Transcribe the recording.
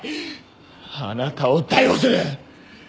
あなたを逮捕する。